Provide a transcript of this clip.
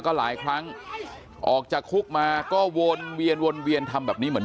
ก็หลายครั้งออกจากคุกมาก็วนเวียนวนเวียนทำแบบนี้เหมือน